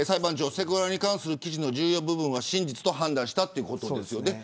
セクハラに関する記事の重要な部分は真実だと判断したということですね。